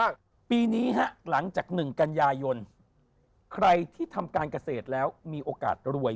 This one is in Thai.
กันยายนใครที่ทำการเกษตรแล้วมีโอกาสรวย